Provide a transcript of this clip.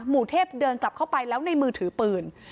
หมู่เทพเดินกลับเข้าไปแล้วในมือถือปืน